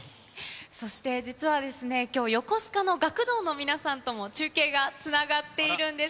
そして実は、きょう、横須賀の学童の皆さんとも中継がつながっているんです。